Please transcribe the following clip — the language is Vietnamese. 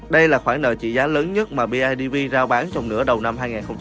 đây là khoản nợ trị giá lớn nhất mà bidv giao bán trong nửa đầu năm hai nghìn hai mươi bốn